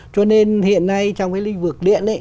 cho nên hiện nay trong cái lĩnh vực điện